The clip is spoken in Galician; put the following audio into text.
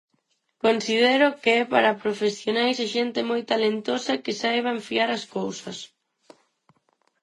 Considero que é para profesionais e xente moi talentosa que saiba enfiar as cousas.